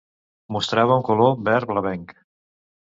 Mostrava un color verd blavenc.